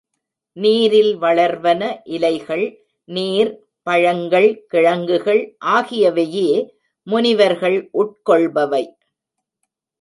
நீரில் வளர்வன, இலைகள், நீர், பழங்கள், கிழங்குகள் ஆகியவையே முனிவர்கள் உட்கொள்பவை.